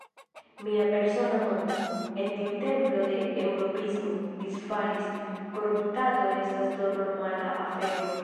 Mia persona mondo, en tiu templo de eŭropismo, disfalis: koruptado estas do normala afero.